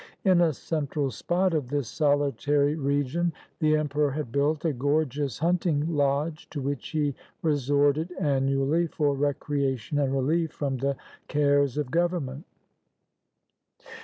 In a central spot of this solitary region the emperor had built a gorgeous hunting lodge, to which he resorted annually for recreation and relief from the cares of government.